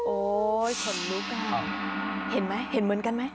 โอ้ยคนลุกค่ะเห็นเหมือนกันไหม